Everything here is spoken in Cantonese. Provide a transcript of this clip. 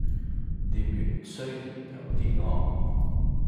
店員雖然有啲惡